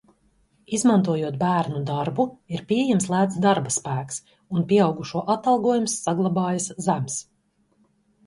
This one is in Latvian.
Izmantojot bērnu darbu, ir pieejams lēts darbaspēks un pieaugušo atalgojums saglabājas zems.